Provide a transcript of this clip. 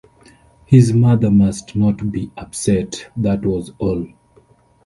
His mother must not be upset, that was all.